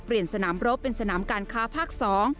เปลี่ยนสนามรบเป็นสนามการค้าภาคสอง